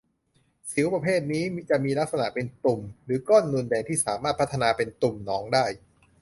สิวประเภทนี้จะมีลักษณะเป็นตุ่ม หรือก้อนนูนแดงที่สามารถพัฒนาเป็นตุ่มหนองได้